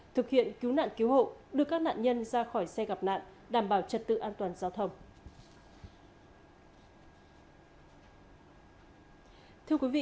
thực hiện cứu nạn cứu hộ đưa các nạn nhân ra khỏi xe gặp nạn đảm bảo trật tự an toàn giao thông